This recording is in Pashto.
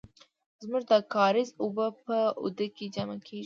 زمونږ د کاریز اوبه په آوده کې جمع کیږي.